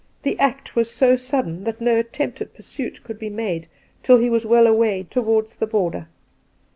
The act was so sudden that no attempt at pursuit could be made till he was well away towards the border.